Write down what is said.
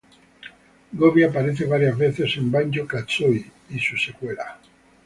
Gobi aparece varias veces en Banjo-Kazooie y su secuela.